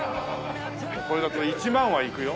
これだと１万はいくよ。